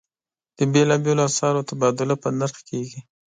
د بېلابېلو اسعارو تبادله په نرخ کېږي.